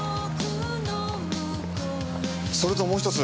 それともう１つ。